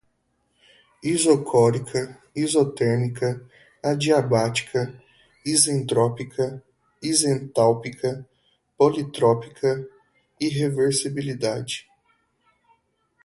autocatalíticas, isobárica, isocórica, isotérmica, adiabática, isentrópica, isentálpica, politrópica, irreversibilidade